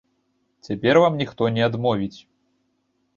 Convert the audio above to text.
Цяпер вам ніхто не адмовіць.